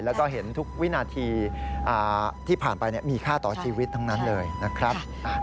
แล้วก็เห็นทุกวินาทีที่ผ่านไปมีค่าต่อชีวิตทั้งนั้นเลยนะครับ